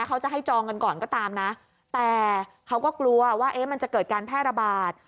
เขาจะให้จองกันก่อนก็ตามนะแต่เขาก็กลัวว่าเอ๊ะมันจะเกิดการแพร่ระบาด